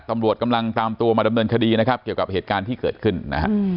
ตำรวจกำลังตามตัวมาดำเนินคดีนะครับเกี่ยวกับเหตุการณ์ที่เกิดขึ้นนะฮะ